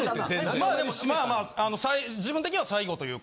まあでもまあ自分的には最後というか。